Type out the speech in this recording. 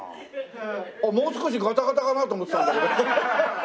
もう少しガタガタかなと思ってたんだけど。